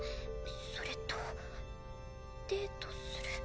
それとデートする。